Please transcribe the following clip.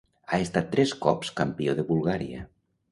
Ha estat tres cops Campió de Bulgària.